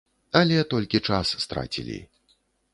Але толькі час страцілі.